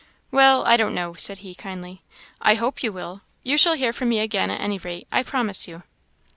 "Well, I don't know," said he, kindly "I hope you will. You shall hear from me again at any rate, I promise you.